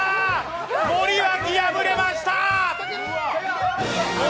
森脇、破れました！